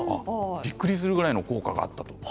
びっくりするぐらいの効果があったと。